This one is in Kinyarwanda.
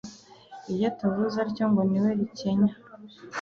Iyo atavuze atyo ngo niwe rikenya